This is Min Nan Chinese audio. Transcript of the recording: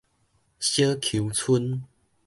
小坵村